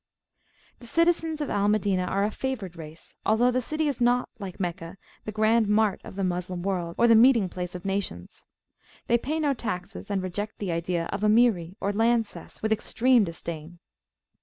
The citizens of Al Madinah are a favoured race, although the city is not, like Meccah, the grand mart of the Moslem world or the meeting place of nations. They pay no taxes, and reject the idea of a Miri, or land cess, with extreme disdain.